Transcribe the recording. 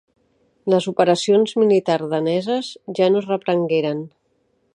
Les operacions militars daneses ja no es reprengueren.